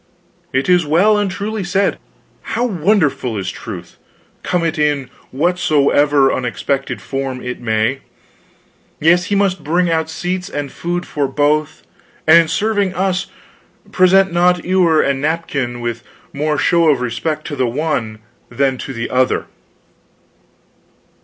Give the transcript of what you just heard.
"It is well and truly said! How wonderful is truth, come it in whatsoever unexpected form it may! Yes, he must bring out seats and food for both, and in serving us present not ewer and napkin with more show of respect to the one than to the other."